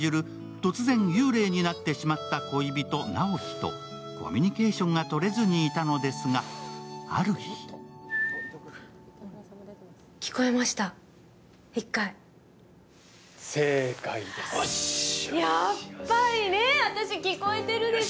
突然、幽霊になってしまった恋人・直木とコミュニケーションがとれずにいたのですが、ある日やっぱりね、私、聞こえてるでしょ。